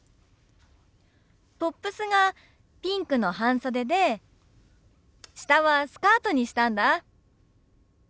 トップスがピンクの半袖で下はスカートにしたんだ。